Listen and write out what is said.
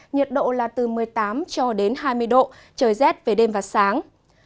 nhiệt độ là từ một mươi tám cho đến hai mươi độ trời rét về đêm và sáng